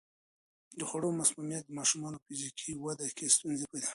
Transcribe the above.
د خوړو مسمومیت د ماشومانو په فزیکي وده کې ستونزې پیدا کوي.